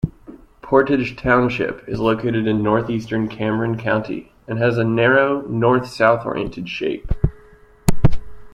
Portage Township is located in northeastern Cameron County and has a narrow, north-south-oriented shape.